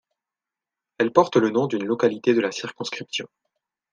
Elle porte le nom d'une localité de la circonscription.